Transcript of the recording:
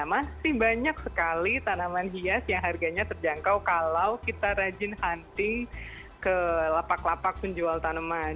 masih banyak sekali tanaman hias yang harganya terjangkau kalau kita rajin hunting ke lapak lapak penjual tanaman